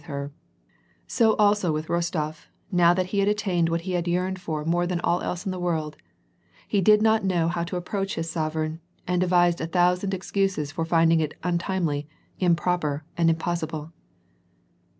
with her ; so also with Rostof^ now that he had attained what he had yearned for more than all else in the world ; he did not know how to approach his sovereign, and devised a thou sand excuses for finding it untimely, improper, and impossible.